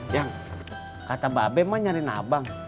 yang kata mbak bema nyarin abang